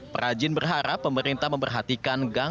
perajin berharap pemerintah memberhati dengan perajin yang berharga